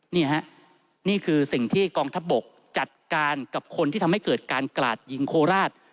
นี่ฮะนี่คือสิ่งที่กองทัพบกจัดการกับคนที่ทำให้เกิดการกราดยิงโคราช